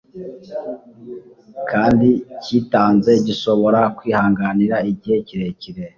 kandi cyitanze gishobora kwihanganira igihe kirekire